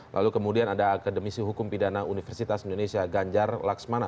lalu kemudian ada akademisi hukum pidana universitas indonesia ganjar laksmana